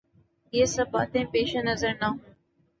یہ سب باتیں پیش نظر نہ ہوں۔